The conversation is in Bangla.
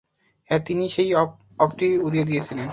হ্যাঁ, তিনিই সেই অপটি উড়িয়ে দিয়েছিলেন।